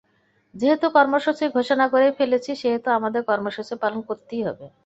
যেহেতু কর্মসূচি ঘোষণা করেই ফেলেছি, সেহেতু আমাদের কর্মসূচি পালন করতেই হবে।